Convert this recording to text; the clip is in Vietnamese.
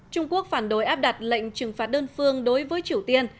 trung quốc phản đối áp đặt lệnh trừng phạt đơn phương đối với triều tiên